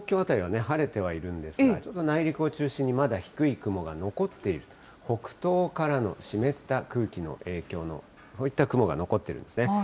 東京辺りは晴れてはいるんですが、ちょっと内陸を中心にまだ低い雲が残っている、北東からの湿った空気の影響の、こういった雲が残ってるんですね。